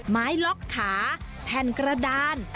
ไม้ล็อกขาแผ่นกระดาน